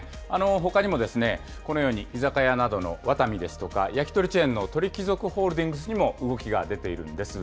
ほかにもですね、このように居酒屋などのワタミですとか、焼き鳥チェーンの鳥貴族ホールディングスにも動きが出ているんです。